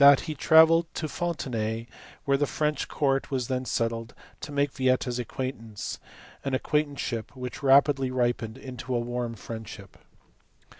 he travelled to Fontenay, where the French court was then settled, to make Yieta s acquaintance an acquaintanceship which rapidly ripened into warm friendship.